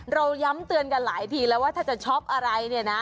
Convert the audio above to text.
เราย้ำเตือนกันหลายทีแล้วว่าถ้าจะช็อกอะไรเนี่ยนะ